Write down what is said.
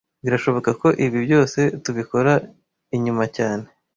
Birashoboka ko ibi byose tubikora inyuma cyane